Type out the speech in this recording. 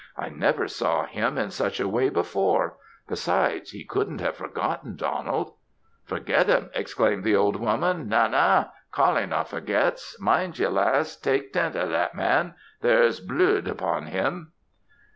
I never saw him in such a way before. Besides, he couldn't have forgotten Donald!" "Forget him!" exclaimed the old woman; "Na, na; Coullie no forgets. Mind ye lass; tak tent o' that man there's bluid upon him!"